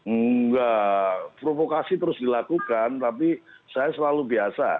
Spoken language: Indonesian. enggak provokasi terus dilakukan tapi saya selalu biasa